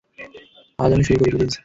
আজ আমি শুরু করি, প্লিজ?